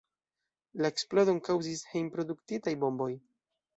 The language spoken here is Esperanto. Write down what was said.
La eksplodon kaŭzis hejm-produktitaj bomboj.